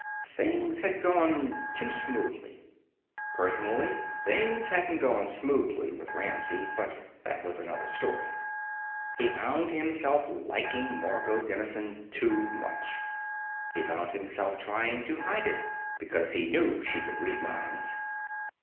Things had gone too smoothly. They had not been interfered with at all. Personally, things hadn't gone smoothly with Ramsey, but that was another story. He found himself liking Margot Dennison too much. He found himself trying to hide it because he knew she could read minds.